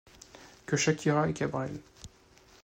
Que Shakira et Cabrel.